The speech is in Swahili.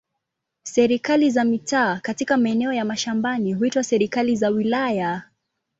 Serikali za mitaa katika maeneo ya mashambani huitwa serikali za wilaya.